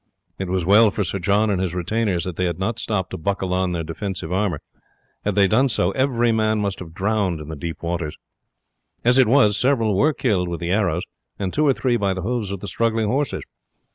It was well for Sir John and his retainers that they had not stopped to buckle on their defensive armour. Had they done so every man must have been drowned in the deep waters. As it was, several were killed with the arrows, and two or three by the hoofs of the struggling horses.